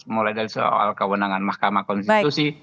mulai dari soal kewenangan mahkamah konstitusi